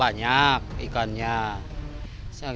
banyak sekali yang menjualnya